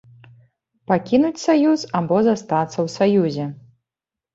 Пакінуць саюз або застацца ў саюзе.